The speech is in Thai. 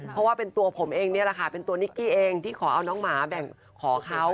เพราะว่าเป็นตัวผมเองนี่แหละค่ะเป็นตัวนิกกี้เองที่ขอเอาน้องหมาแบ่งขอเขา